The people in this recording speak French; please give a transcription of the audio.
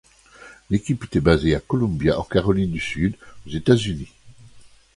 L'équipe était basée à Columbia en Caroline du Sud aux États-Unis.